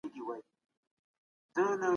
څومره سياستوال د قدرت پر ځای خلکو ته پام کوي؟